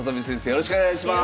よろしくお願いします。